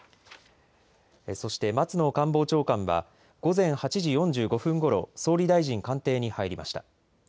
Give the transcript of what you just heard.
そして松野官房長官は午前８時４５分ごろ総理大臣官邸に入りました。